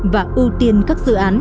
và ưu tiên các dự án